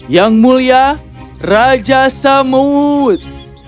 yang mulia raja semut